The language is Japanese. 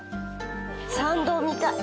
参道見たい。